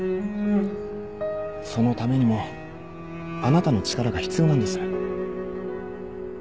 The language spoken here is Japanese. そのためにもあなたの力が必要なんです。